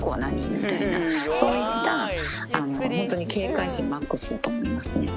みたいな、そういった本当に警戒心マックスの状態だと思いますね。